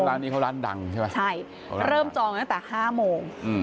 ร้านนี้เขาร้านดังใช่ไหมใช่เริ่มจองตั้งแต่๕โมง